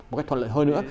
một cách thuận lợi hơn nữa